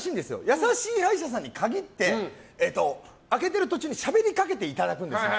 優しい歯医者さんに限って開けてる途中にしゃべりかけていただくんですね。